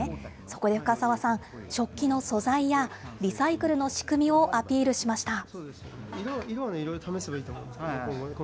そこで深澤さん、食器の素材やリサイクルの仕組みをアピールしました。